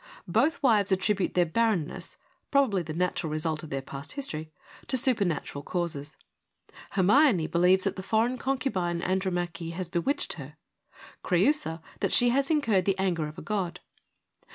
Both wives attribute their barrenness, probably the natural result of their past history, to supernatural causes. Hermione believes that the foreign concubine Andromache has bewitched her : Creiisa, that she has incurred the anger of a god.